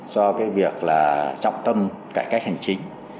do cái việc là trọng tâm cải cách hành chính